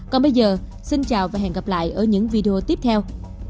còn bây giờ xin chào và hẹn gặp lại ở những video tiếp theo